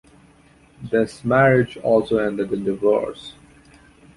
This marriage also ended in divorce.